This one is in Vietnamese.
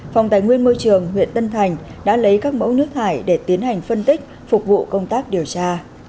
phòng tài nguyên môi trường huyện tân thành đã lấy các mẫu nước thải để tiến hành phân tích phục vụ công tác điều tra